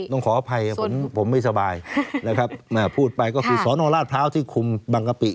ต้องขออภัยผมผมไม่สบายนะครับพูดไปก็คือสอนอราชพร้าวที่คุมบังกะปิ